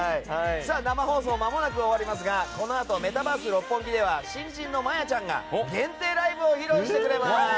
生放送間もなく終わりますがこのあとメタバース六本木では新人のまやちゃんが限定ライブを披露してくれます。